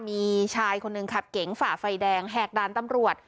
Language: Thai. มีชายคนหนึ่งขับเก๋งฝ่าไฟแดงแหกด่านตำรวจ